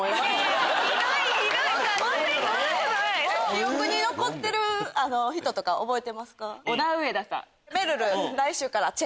記憶に残ってる人とか覚えてますか？